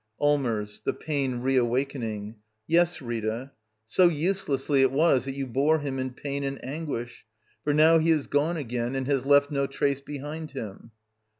Allmers. [The pain re^awakening.] Yes, Rita — so uselessly it was that you bore him in pain and anguish. For now he is gone again '— and has left no trace behind him.